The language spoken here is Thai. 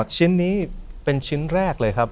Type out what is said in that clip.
ชิ้นนี้เป็นชิ้นแรกเลยครับ